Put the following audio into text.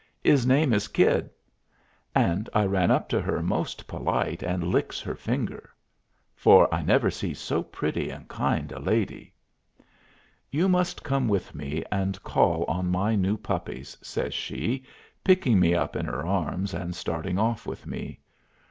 "'Is name is Kid." And I ran up to her most polite, and licks her fingers, for I never see so pretty and kind a lady. "You must come with me and call on my new puppies," says she, picking me up in her arms and starting off with me.